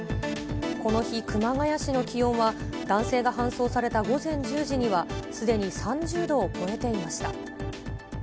この日、熊谷市の気温は、男性が搬送された午前１０時には、すでに３０度を超えていました。